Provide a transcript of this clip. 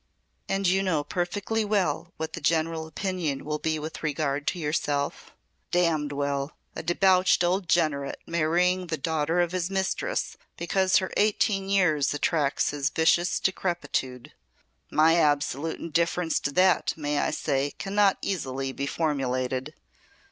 "And you know perfectly well what the general opinion will be with regard to yourself?" "Damned well. A debauched old degenerate marrying the daughter of his mistress because her eighteen years attracts his vicious decrepitude. My absolute indifference to that, may I say, can not easily be formulated.